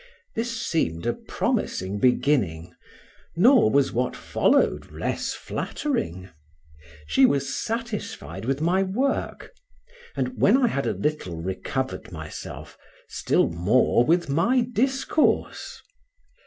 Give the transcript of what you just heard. This seemed a promising beginning, nor was what followed less flattering: she was satisfied with my work, and, when I had a little recovered myself, still more with my discourse.